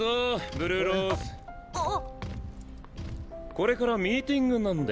これからミーティングなんで。